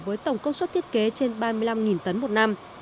với tổng công suất thiết kế trên ba mươi năm tấn một năm